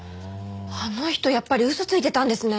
あの人やっぱり嘘ついてたんですね！